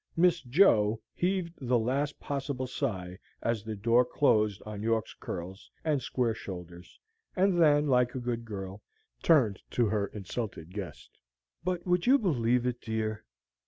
"Miss Jo" heaved the least possible sigh as the door closed on York's curls and square shoulders, and then, like a good girl, turned to her insulted guest "But would you believe it, dear?"